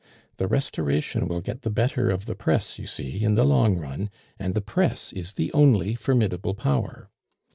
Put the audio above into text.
The Restoration will get the better of the press, you see, in the long run, and the press is the only formidable power.